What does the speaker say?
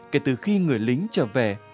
kể từ khi người lính trở về